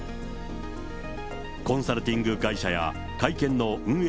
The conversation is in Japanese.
コンサルティング会社や会見の運営